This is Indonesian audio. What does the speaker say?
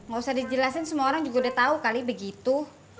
gak usah dijelasin semua orang juga udah tahu kali begitu